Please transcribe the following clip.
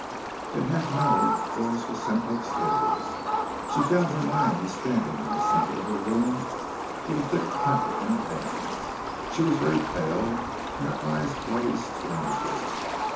In half an hour Doris was sent upstairs. She found Hermione standing in the centre of her room with a thick packet in her hand. She was very pale and her eyes blazed strangely.